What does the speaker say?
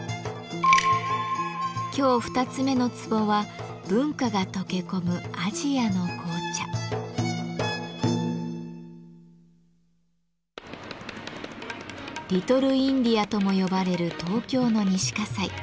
今日二つ目のツボは「リトルインディア」とも呼ばれる東京の西葛西。